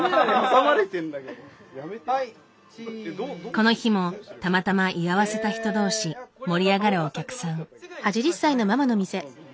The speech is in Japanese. この日もたまたま居合わせた人同士盛り上がるお客さん。